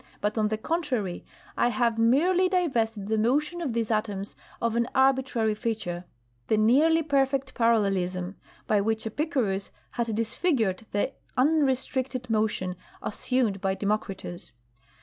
But, on the contrary, I have merely divested the motion of these atoms of an arbitrary feature (the nearly perfect parallelism) by which Epicurus had disfigured the unrestricted motion assumed by Democritus.